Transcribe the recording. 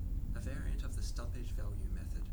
A variant of the stumpage value method.